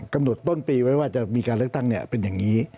กำหนดต้นปีไว้ว่าจะมีการเลือกตั้งเป็นอย่างนี้